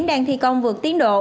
đang thi công vượt tiến độ